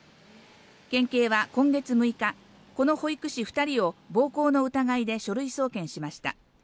県警は今月６日、この保育士２人を暴行の疑いで書類送検しました。